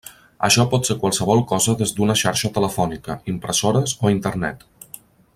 Això pot ser qualsevol cosa des d'una xarxa telefònica, impressores, o Internet.